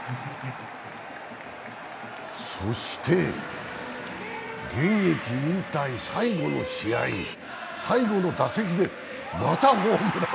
そして現役引退、最後の試合、最後の打席でまたホームラン。